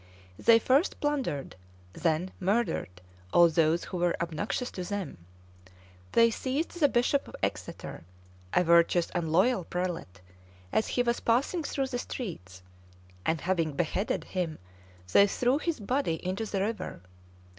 They first plundered, then murdered all those who were obnoxious to them: they seized the bishop of Exeter, a virtuous and loyal prelate, as he was passing through the streets; and having beheaded him, they threw his body into the river.